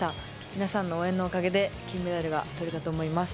皆さんの応援のおかげで、金メダルがとれたと思います。